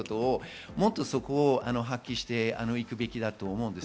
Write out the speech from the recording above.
もっとそこをはっきりしていくべきだと思います。